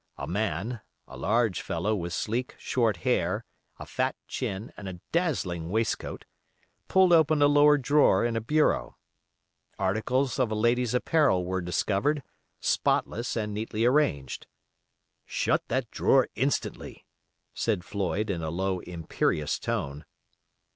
A man, a large fellow with sleek, short hair, a fat chin, and a dazzling waistcoat, pulled open a lower drawer in a bureau. Articles of a lady's apparel were discovered, spotless and neatly arranged. "Shut that drawer instantly," said Floyd, in a low, imperious tone.